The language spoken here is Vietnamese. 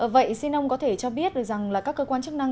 vậy xin ông có thể cho biết rằng các cơ quan chức năng